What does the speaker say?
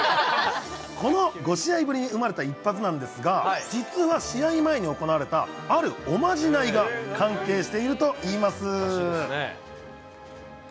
この５試合ぶりに生まれた一発なんですが、実は試合前に行われた、あるおまじないが関係しているといいます。